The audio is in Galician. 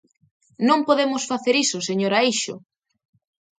¡Non podemos facer iso, señora Eixo!